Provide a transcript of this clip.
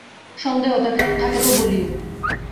সন্দেহ থাকে তো বলিয়ো।